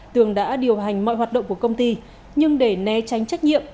tường đã điều hành mọi hoạt động của công ty nhưng để né tránh trách nhiệm